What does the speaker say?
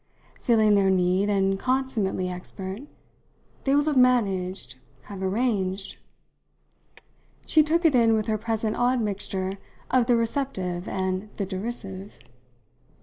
Feeling their need, and consummately expert, they will have managed, have arranged." She took it in with her present odd mixture of the receptive and the derisive.